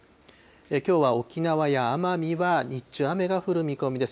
きょうは沖縄や奄美は日中雨が降る見込みです。